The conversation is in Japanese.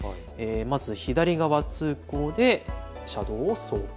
まず左側通行で車道を走行。